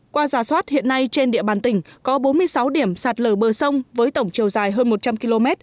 qua giả soát hiện nay trên địa bàn tỉnh có bốn mươi sáu điểm sạt lở bờ sông với tổng chiều dài hơn một trăm linh km